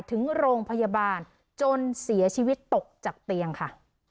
ถึงโรงพยาบาลจนเสียชีวิตตกจากเตียงค่ะ